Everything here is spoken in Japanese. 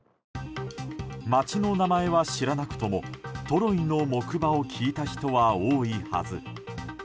町の名前は知らなくともトロイの木馬を聞いた人は多いはず。